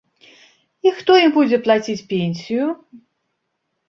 І хто ім будзе плаціць пенсію?